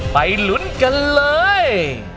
ไปลุ้นกันเลย